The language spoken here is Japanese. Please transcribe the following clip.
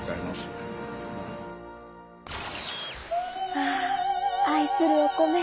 ああ愛するお米